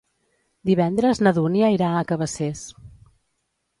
Divendres na Dúnia irà a Cabacés.